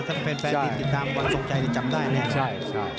ถ้าเป็นแฟนติดตามวันสกใจจะจำได้นะครับ